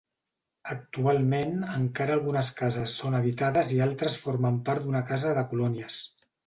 Actualment encara algunes cases són habitades i altres formen part d'una casa de Colònies.